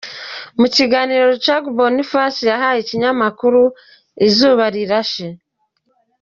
Mu kiganiro Rucagu Boniface yahaye ikinyamakuru izubarirahe.